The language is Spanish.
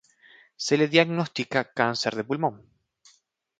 Se le diagnostica cáncer de pulmón.